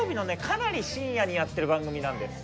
かなり深夜にやってる番組なんです。